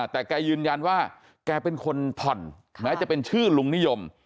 แต่แกยืนยันว่าแกเป็นคนผ่อนแม้จะเป็นชื่อลุงนิยม